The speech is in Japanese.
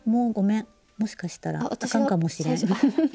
もしかしたらあかんかもしれん。